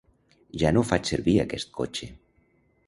Ja no faig servir aquest cotxe.